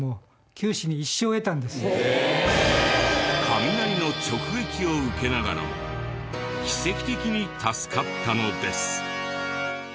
雷の直撃を受けながらも奇跡的に助かったのです。